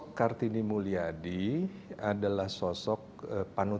dan bu kartini mulyadi bersama saya saya sangat bangga